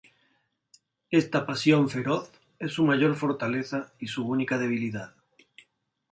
Esta pasión feroz es su mayor fortaleza y su única debilidad.